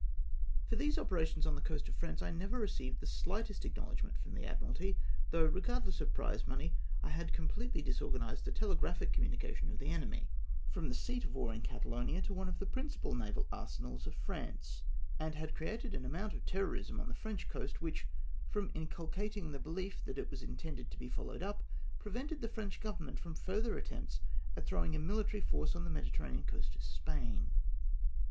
For these operations on the coast of France I never received the shghtest acknowledgment fi'om the Ad miralty, though, regardless of prize money, I had com pletely disorganised the telegraphic communication of the enemy, from the seat of war in Catalonia to one of the principal naval arsenals of France ; and had created an amount of terrorism on the French coast, which, from inculcating the behef that it was intended to be followed up, prevented the French Government from further attempts at throwing a miU tary force on the Mediterranean coast of Spain.